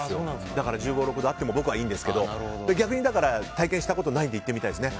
だから１５１６度あっても僕はいいんですけど逆に体験したことがないので行ってみたいですね。